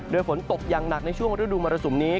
โดยฝนตกอย่างหนักในช่วงฤดูมรสุมนี้